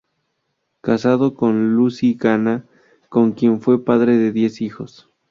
Casado con Lucy Gana, con quien fue padre de diez hijos.